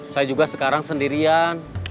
saya juga sekarang sendirian